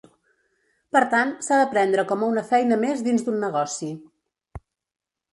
Per tant, s'ha de prendre com una feina més dins d'un negoci.